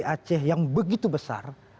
aceh yang begitu besar